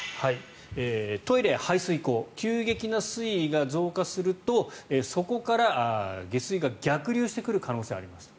トイレや排水溝急激な水位が増加するとそこから下水が逆流してくる可能性がありますと。